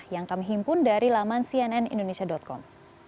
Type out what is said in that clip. yang kami himpun dari laman cnnindonesia com